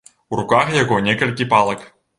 У руках яго некалькі палак.